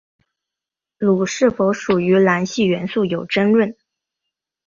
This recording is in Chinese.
镥是否属于镧系元素有争论。